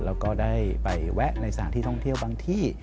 แล้วก็ได้ไปแวะในสถานที่ท่องเที่ยวบางที่